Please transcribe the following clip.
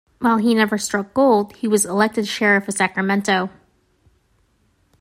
While he never struck gold, he was elected sheriff of Sacramento.